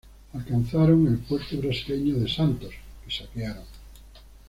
Alcanzaron el puerto brasileño de Santos, que saquearon.